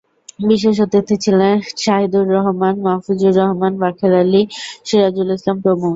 বিশেষ অতিথি ছিলেন শাহীদুর রহমান, মাহফুজুর রহমান, বাখের আলী, সিরাজুল ইসলাম প্রমুখ।